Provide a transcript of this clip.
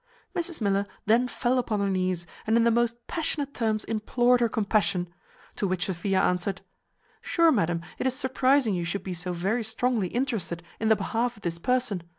Mrs Miller then fell upon her knees, and in the most passionate terms implored her compassion; to which Sophia answered: "Sure, madam, it is surprizing you should be so very strongly interested in the behalf of this person.